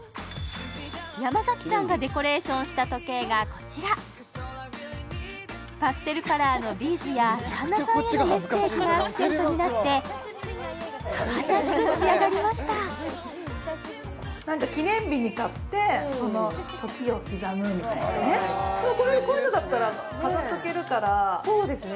山さんがデコレーションした時計がこちらパステルカラーのビーズや旦那さんへのメッセージがアクセントになって可愛らしく仕上がりましたなんか記念日に買ってその時を刻むみたいなねこういうのだったら飾っておけるからそうですね